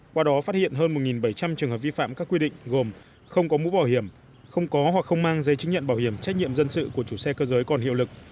qua đó phát hiện hơn một bảy trăm linh trường hợp vi phạm các quy định gồm không có mũ bảo hiểm không có hoặc không mang giấy chứng nhận bảo hiểm trách nhiệm dân sự của chủ xe cơ giới còn hiệu lực